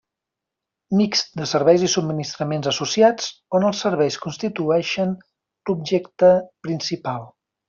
Mixt de serveis i subministraments associats on els serveis constitueixen l'objecte principal.